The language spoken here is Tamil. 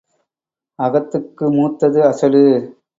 அகத்துக்கு மூத்தது அசடு.